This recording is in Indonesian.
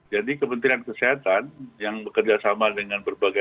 jadi kementerian kesehatan yang bekerjasama dengan berpengalaman